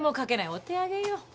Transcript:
お手上げよ。